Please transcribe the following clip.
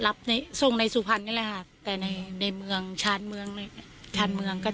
หลับไปส่งซุพรรนดร์ในสุพรรณฑ์นั่นแหละค่ะแต่ในเมืองชาร์ดเมืองชาร์ดเมืองก็ส่ง